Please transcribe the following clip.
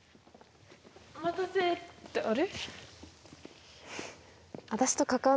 お待たせってあれ？